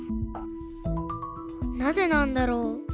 なぜなんだろう？